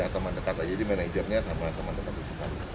teman dekat aja jadi manajernya sama teman dekat rachel salim